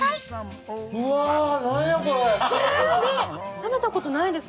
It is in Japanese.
食べた事ないです